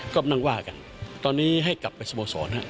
ก็นั่งว่ากันตอนนี้ให้กลับไปสโมเซอร์นะครับ